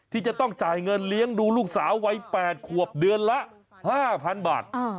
ที่จะต้องจ่ายเงินเลี้ยงดูลูกสาววัย๘ขวบเดือนละ๕๐๐๐บาท